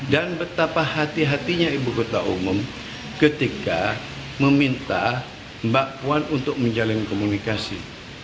dan betapa hati hatinya ibu kota umum ketika meminta mbak puan untuk menjalin komunikasi